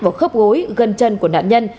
vào khớp gối gần chân của nạn nhân